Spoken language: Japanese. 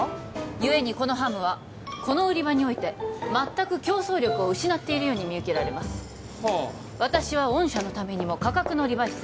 ゆえにこのハムはこの売り場において全く競争力を失っているように見受けられますはあ私は御社のためにも価格のリバイス